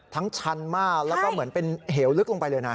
ชันมากแล้วก็เหมือนเป็นเหวลึกลงไปเลยนะ